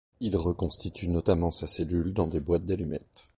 Il reconstitue notamment sa cellule dans des boîtes d'allumettes.